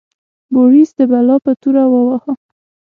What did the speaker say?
بوریس د بلا په توره وواهه.